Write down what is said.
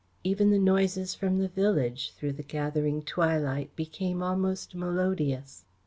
Even the noises from the village, through the gathering twilight, became almost melodious.